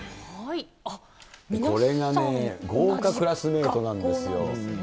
これがね、豪華クラスメートなんですよ。